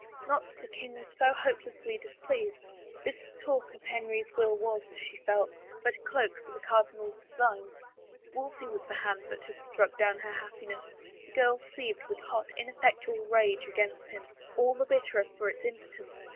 Not that the king was so hopelessly displeased; this talk of Henry's will was, she felt, but a cloak for the cardinal's designs. Wolsey's was the hand that had struck down her happiness. The girl seethed with hot, ineffectual rage against him, all the bitterer for its im potence.